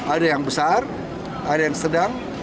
ada yang besar ada yang sedang